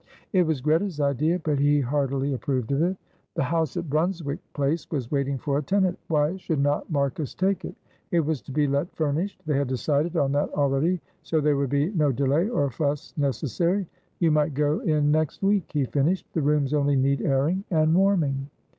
It was Greta's idea, but he heartily approved of it. The house at Brunswick Place was waiting for a tenant. Why should not Marcus take it? It was to be let furnished. They had decided on that already, so there would be no delay or fuss necessary. 'You might go in next week,' he finished. 'The rooms only need airing and warming.'"